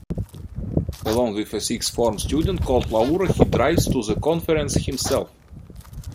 Along with a sixth form student called Laura he drives to the Conference himself.